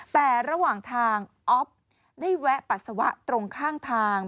แต่ระหว่างทางอ๊อฟได้แวะปัสสาวะตรงข้างทาง